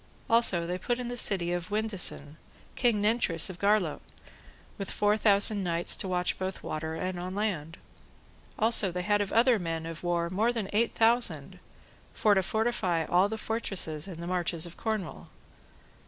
Also they put in the city of Windesan, King Nentres of Garlot, with four thousand knights to watch both on water and on land. Also they had of other men of war more than eight thousand, for to fortify all the fortresses in the marches of Cornwall.